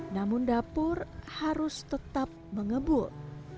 namun dapur harus tetap mengebul